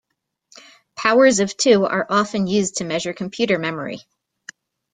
Powers of two are often used to measure computer memory.